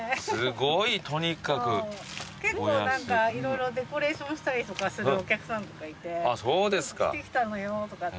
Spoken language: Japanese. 結構何か色々デコレーションしたりとかするお客さんとかいて「着てきたのよー」とかって。